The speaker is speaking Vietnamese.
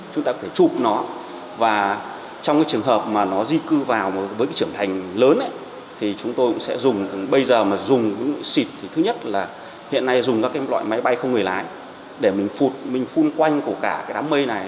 chúng ta có thể chụp nó và trong cái trường hợp mà nó di cư vào với cái trưởng thành lớn ấy thì chúng tôi cũng sẽ dùng bây giờ mà dùng xịt thì thứ nhất là hiện nay dùng các cái loại máy bay không người lái để mình phụt mình phun quanh của cả cái đám mây này